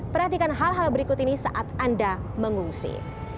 perhatikan hal hal berikut ini saat anda mengungsi